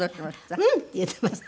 「うん！」って言ってました。